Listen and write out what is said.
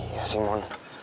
iya sih mon